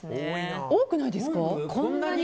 多くないですか。